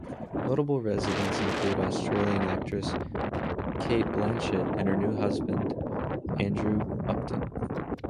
Notable residents include Australian actress Cate Blanchett and her husband Andrew Upton.